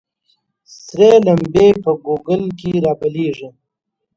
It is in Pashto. ســـــــرې لمـبـــــې په ګوګـل کــې رابلـيـــږي